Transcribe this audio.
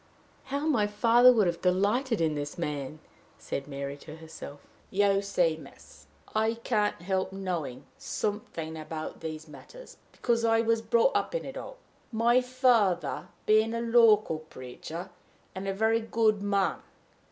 "How my father would have delighted in this man!" said Mary to herself. "You see, miss," Jasper resumed, "I can't help knowing something about these matters, because I was brought up in it all, my father being a local preacher, and a very good man.